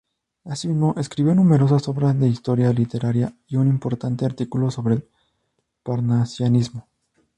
Asimismo, escribió numerosas obras de historia literaria y un importante artículo sobre el parnasianismo.